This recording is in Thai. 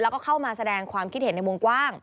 แล้วก็เข้ามาแสดงความคิดเห็นในวงกว้าง